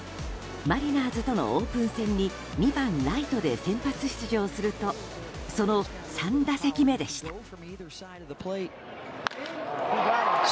マリナーズとのオープン戦に２番ライトで先発出場するとその３打席目でした。